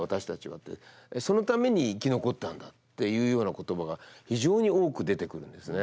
そのために生き残ったんだっていうような言葉が非常に多く出てくるんですね。